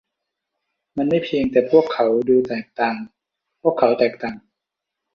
มันไม่เพียงแต่พวกเขาดูแตกต่าง พวกเขาแตกต่าง